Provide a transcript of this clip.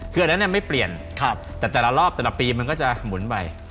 คืออันนั้นไม่เปลี่ยนแต่แต่ละรอบแต่ละปีมันก็จะหมุนไป